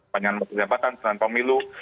penyelamatan dengan pemilu